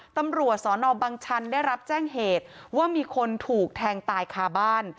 ตำรวจสนบังชันได้รับแจ้งเหตุว่ามีคนถูกแทงตายคาบ้าน